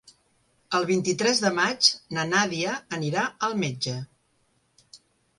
El vint-i-tres de maig na Nàdia anirà al metge.